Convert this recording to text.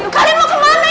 kalian mau kemana